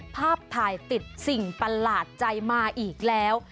ภาพถ่ายติดสิ่งประหลาดใจมาอีกแล้ว